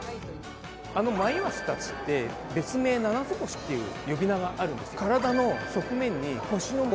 あのマイワシたちって、別名ナナツボシって呼び名があるんです。